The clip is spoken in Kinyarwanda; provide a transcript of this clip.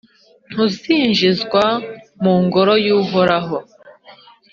ntuzinjizwa mu Ngoro y’Uhoraho.